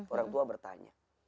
orang tua bertanya